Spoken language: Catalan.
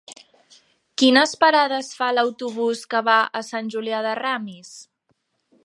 Quines parades fa l'autobús que va a Sant Julià de Ramis?